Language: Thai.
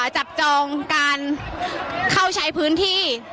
จับจองการเข้าใช้พื้นที่